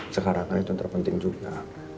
sekarang kan itu terpenting juga